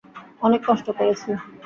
অনেক কষ্ট করেছি!